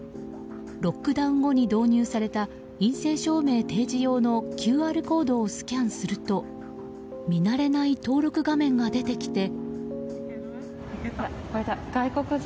ロックダウン後に導入された陰性証明提示用のＱＲコードをスキャンすると見慣れない登録画面が出てきて。